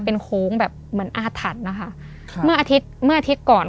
เป็นโค้งแบบเหมือนอาถรรพ์นะคะครับเมื่ออาทิตย์เมื่ออาทิตย์ก่อน